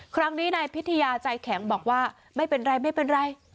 ครั้งนี้นายพิทยาใจแข็งบอกว่าไม่เป็นไรไม่เป็นไร